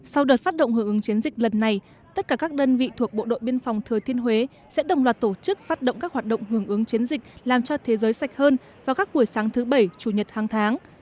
sau đợt phát động hưởng ứng chiến dịch lần này tất cả các đơn vị thuộc bộ đội biên phòng thừa thiên huế sẽ đồng loạt tổ chức phát động các hoạt động hưởng ứng chiến dịch làm cho thế giới sạch hơn vào các buổi sáng thứ bảy chủ nhật hàng tháng